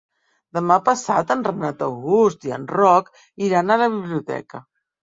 Demà passat en Renat August i en Roc iran a la biblioteca.